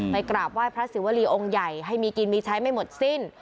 กราบไหว้พระศิวรีองค์ใหญ่ให้มีกินมีใช้ไม่หมดสิ้น